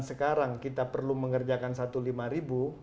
sekarang kita perlu mengerjakan rp satu lima ratus